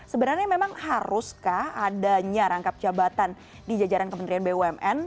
sebenarnya memang haruskah adanya rangkap jabatan di jajaran kementerian bumn